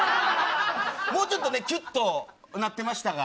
もうちょっときゅっとなってましたから。